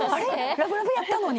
ラブラブやったのに！